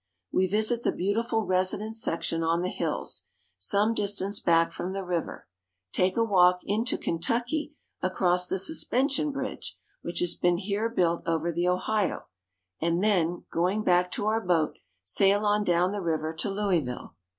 We visit the beautiful residence section on the hills, some distance back from the river, take a walk into Kentucky across the suspension bridge which has been here built over the Ohio, and then, going back to our boat, sail on down the river to Louisville.